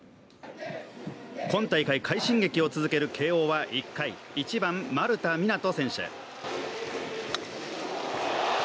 今大会快進撃を続ける慶応は１番・丸田湊斗選手。